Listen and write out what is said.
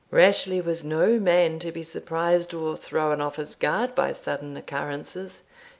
Rashleigh was no man to be surprised or thrown off his guard by sudden occurrences.